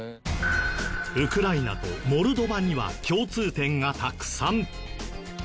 ウクライナとモルドバには共通点がたくさん。